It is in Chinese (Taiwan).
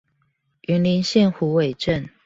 雲林縣虎尾鎮